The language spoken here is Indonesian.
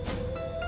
terus berjumpa lagi